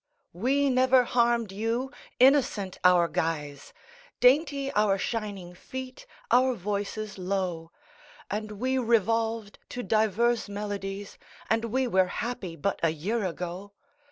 We never harmed you! Innocent our guise, Dainty our shining feet, our voices low; And we revolved to divers melodies, And we were happy but a year ago.